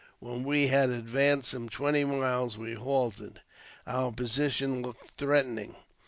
When we had advanced some twenty miles we halted. Our position looked threatening.